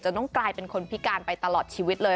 ต้องกลายเป็นคนพิการไปตลอดชีวิตเลย